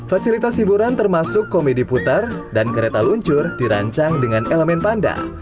fasilitas hiburan termasuk komedi putar dan kereta luncur dirancang dengan elemen panda